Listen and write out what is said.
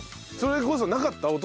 それこそなかった？